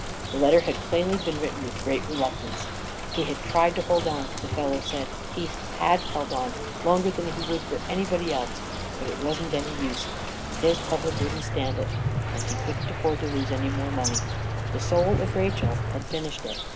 The letter had plainly been written with great reluctance. He had tried to hold on, the fellow i A KING IN BABYLON n said ; he had held on longer than he would for any body else; but it wasn't any use. His public wouldn't stand it, and he couldn't afford to lose any more money. " The Soul of Rachel " had finished it.